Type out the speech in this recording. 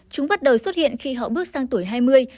chúng bắt đầu xuất hiện khi họ bước sang tuổi hai mươi